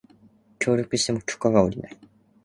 協力しても許可が降りない